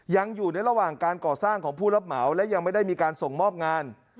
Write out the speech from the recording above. ยังอยู่ในระหว่างการก่อสร้างของผู้รับเหมาและยังไม่ได้มีการส่งมอบงาน